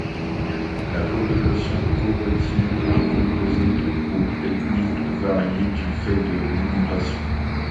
La population koweïtienne est composée de groupes ethniques variés du fait de l'immigration.